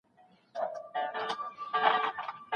ترخې مڼې مه خوره .